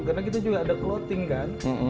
karena kita juga ada clothing kan